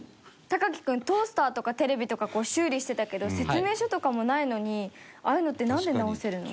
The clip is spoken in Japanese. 隆貴君トースターとかテレビとか修理してたけど説明書とかもないのにああいうのってなんで直せるの？